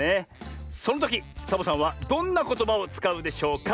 そのときサボさんはどんなことばをつかうでしょうか？